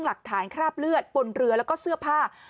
หลักฐานคราบเลือดปลนเรือแล้วก็เสื้อผ้า